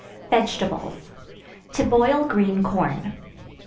VEGETABLES. To Boil Green Corn.